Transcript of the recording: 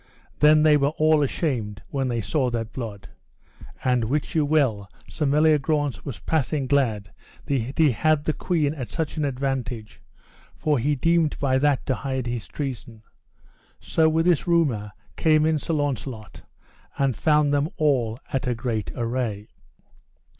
Then were they all ashamed when they saw that blood; and wit you well Sir Meliagrance was passing glad that he had the queen at such an advantage, for he deemed by that to hide his treason. So with this rumour came in Sir Launcelot, and found them all at a great array.